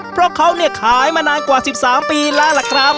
เพราะเขาเนี่ยขายมานานกว่า๑๓ปีแล้วล่ะครับ